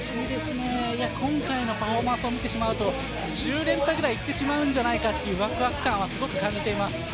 今回のパフォーマンスを見てしまうと、１０連覇ぐらいいってしまうんじゃないかというワクワク感は感じています。